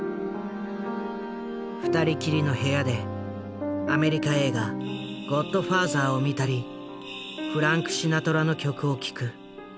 ２人きりの部屋でアメリカ映画「ゴッドファーザー」を見たりフランク・シナトラの曲を聴く。